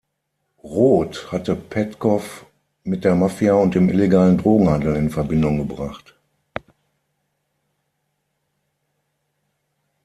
Roth hatte Petkow mit der Mafia und dem illegalen Drogenhandel in Verbindung gebracht.